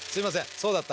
そうだった。